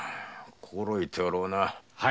心得ておろうな。